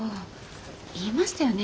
言いましたよね